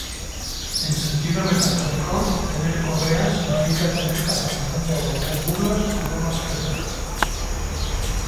En sentido metafórico, "tener correa" significa tener capacidad de aguantar burlas o bromas pesadas.